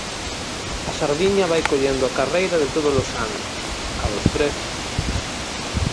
A sardiña vai collendo a carreira de todos os anos: a dos prezos.